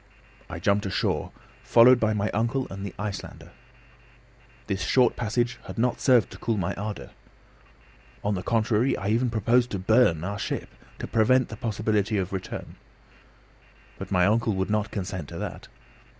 I jumped ashore, followed by my uncle and the Icelander. This short passage had not served to cool my ardour. On the contrary, I even proposed to burn 'our ship,' to prevent the possibility of return; but my uncle would not consent to that.